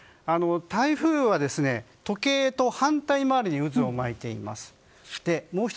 台風は時計と反対周りに渦を巻いています。